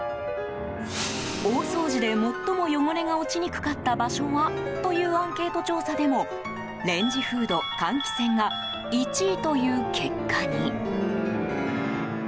大掃除で、最も汚れが落ちにくかった場所は？というアンケート調査でもレンジフード・換気扇が１位という結果に。